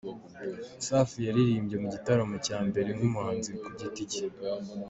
Safi yaririmbye mu gitaramo cya mbere nk’umuhanzi ku giti cye.